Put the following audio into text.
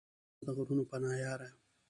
زما د غرونو پناه یاره!